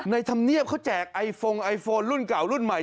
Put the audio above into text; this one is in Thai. ธรรมเนียบเขาแจกไอโฟงไอโฟนรุ่นเก่ารุ่นใหม่